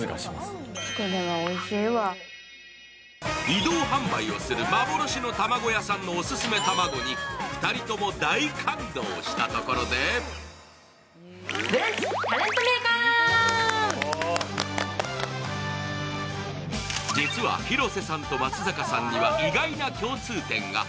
移動販売をする幻の卵屋さんのオススメ卵に２人とも大感動したところで実は広瀬さんと松坂さんには意外な共通点が。